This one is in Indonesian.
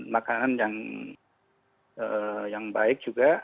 makanan yang baik juga